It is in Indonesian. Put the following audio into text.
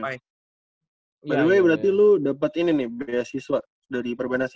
by the way berarti lu dapat ini nih beasiswa dari perbanas ya